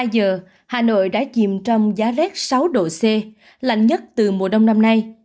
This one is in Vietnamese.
hai mươi giờ hà nội đã chìm trong giá lét sáu độ c lạnh nhất từ mùa đông năm nay